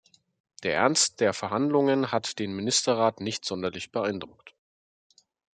Der Ernst der Verhandlungen hat den Ministerrat nicht sonderlich beeindruckt.